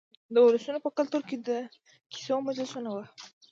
د ولسونو په کلتور کې د کیسو مجلسونه وو.